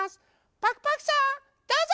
パクパクさんどうぞ！